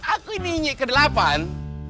aku ini inye ke delapan